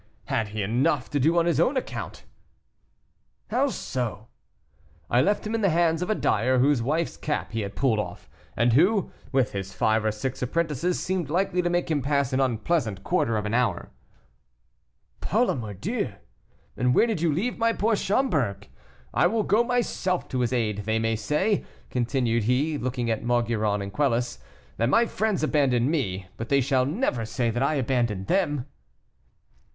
he had enough to do on his own account." "How so?" "I left him in the hands of a dyer whose wife's cap he had pulled off, and who, with his five or six apprentices, seemed likely to make him pass an unpleasant quarter of an hour." "Par la mordieu! and where did you leave my poor Schomberg? I will go myself to his aid. They may say," continued he, looking at Maugiron and Quelus, "that my friends abandon me, but they shall never say that I abandon them."